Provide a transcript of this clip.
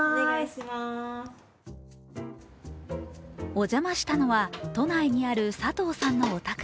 お邪魔したのは、都内にある佐藤さんのお宅。